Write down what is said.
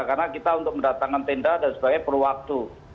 karena kita untuk mendatangkan tenda dan sebagai perwaktu